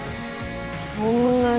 そんなに！？